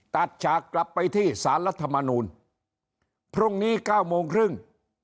ตัดฉากลับไปที่ศาลรัฐมนูลพรุ่งนี้๙โมงครึ่ง